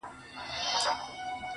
علم د راتلونکي امید دی.